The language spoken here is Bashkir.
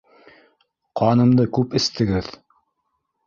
Ҡанымды күп эстегеҙ